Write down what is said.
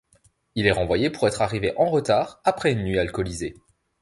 Il est renvoyé pour être arrivé en retard après une nuit alcoolisée.